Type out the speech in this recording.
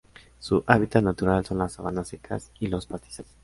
Su hábitat natural son las sabanas secas y los pastizales.